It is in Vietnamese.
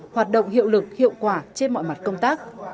hoạt động hiệu lực hiệu quả trên mọi mặt công tác